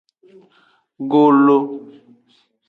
Golo.